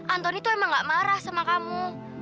antoni tuh emang gak marah sama kamu